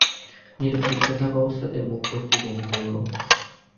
নীলু চিৎ হয়ে থাকা অবস্থাতেই মুখ ভর্তি করে বমি করল।